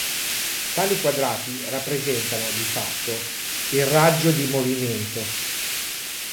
Tali quadrati rappresentano, di fatto, il raggio di movimento.